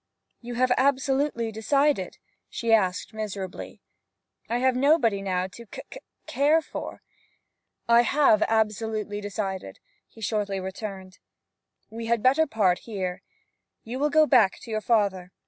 'You have absolutely decided?' she asked miserably. 'I have nobody now to c c care for ' 'I have absolutely decided,' he shortly returned. 'We had better part here. You will go back to your father.